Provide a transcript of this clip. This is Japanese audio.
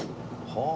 はあ。